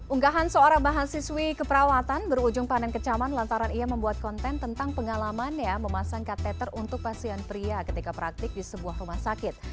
unggahan seorang mahasiswi keperawatan berujung panen kecaman lantaran ia membuat konten tentang pengalamannya memasang katheter untuk pasien pria ketika praktik di sebuah rumah sakit